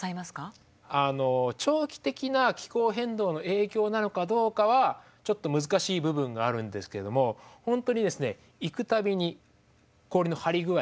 あの長期的な気候変動の影響なのかどうかはちょっと難しい部分があるんですけれども本当にですね行く度に氷の張り具合が違っています。